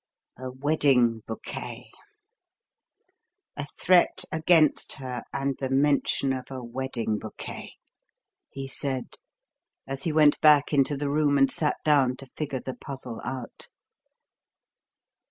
"A wedding bouquet! A threat against her, and the mention of a wedding bouquet!" he said, as he went back into the room and sat down to figure the puzzle out.